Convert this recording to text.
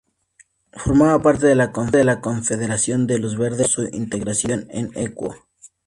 Formaba parte de la Confederación de Los Verdes hasta su integración en Equo.